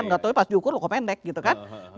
nggak tau pas diukur kok pendek gitu kan